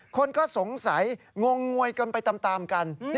คนก็สงสัยงงงวยกันไปตามกัน